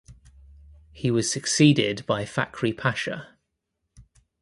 He was succeeded by Fakhri Pasha.